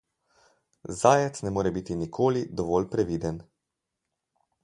Zajec ne more biti nikoli dovolj previden.